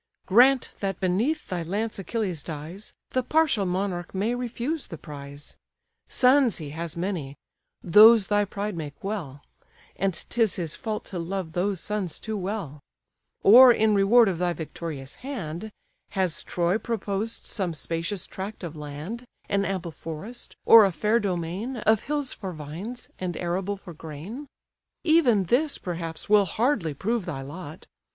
Grant that beneath thy lance Achilles dies, The partial monarch may refuse the prize; Sons he has many; those thy pride may quell: And 'tis his fault to love those sons too well, Or, in reward of thy victorious hand, Has Troy proposed some spacious tract of land, An ample forest, or a fair domain, Of hills for vines, and arable for grain? Even this, perhaps, will hardly prove thy lot.